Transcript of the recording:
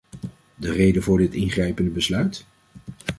De reden voor dit ingrijpende besluit?